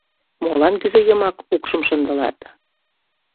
— Молан кӱзӧ йымак укшым шындылат?